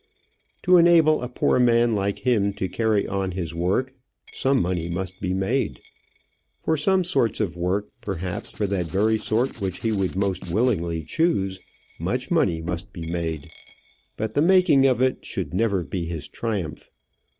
To enable a poor man like him to carry on his work some money must be made; for some sorts of work, perhaps for that very sort which he would most willingly choose, much money must be made. But the making of it should never be his triumph.